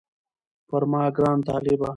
پر ما ګران طالبه